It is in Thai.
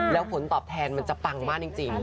แล้วผลตอบแทนมันจะปังมากจริง